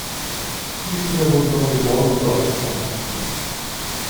Viele Kinder wurden dort geboren und zur Adoption abgegeben.